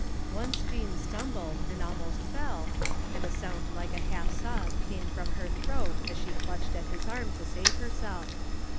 Once Jean stumbled and almost fell, and a sound like a half sob came from her throat as she clutched at his arm to save herself.